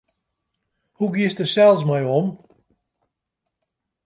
Hoe giest dêr sels mei om?